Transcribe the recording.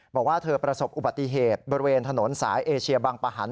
บอกว่าเธอประสบอุบัติเหตุบริเวณถนนสายเอเชียบังปะหัน